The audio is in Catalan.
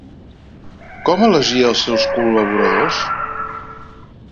Com elegia els seus col·laboradors?